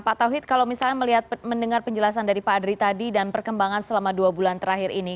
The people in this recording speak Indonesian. pak tauhid kalau misalnya melihat mendengar penjelasan dari pak adri tadi dan perkembangan selama dua bulan terakhir ini